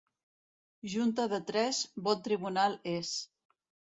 Junta de tres, bon tribunal és.